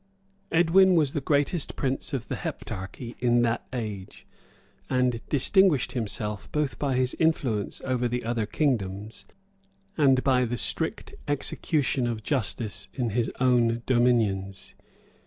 Edwin was the greatest prince of the Heptarchy in that age, and distinguished himself, both by his influence over the other kingdoms,[] and by the strict execution of justice in his own dominions.